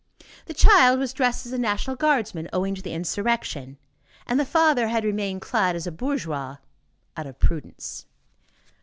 The child was dressed as a National Guardsman, owing to the insurrection, and the father had remained clad as a bourgeois out of prudence.